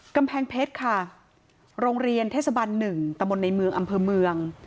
กำแพงเพชรค่ะโรงเรียนเทศบัน๑ตะมนต์ในเมืองอำเภอเมือง